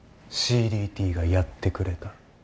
ＣＤＴがやってくれた。